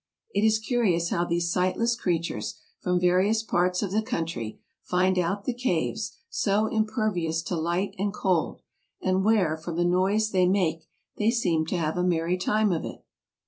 It is curious how these sightless creatures, AMERICA 65 from various parts of the country, find out the caves, so im pervious to light and cold, and where, from the noise they make, they seem to have a merry time of it.